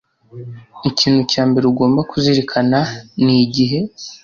ikintu cya mbere ugomba kuzirikana ni igihe